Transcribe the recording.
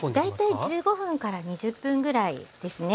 大体１５分から２０分ぐらいですね。